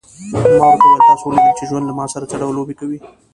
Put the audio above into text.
ما ورته وویل: تاسي ولیدل چې ژوند له ما سره څه ډول لوبې کوي.